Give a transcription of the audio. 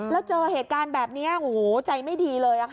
แล้วเจอเหตุการณ์แบบนี้ใจไม่ดีเลยค่ะ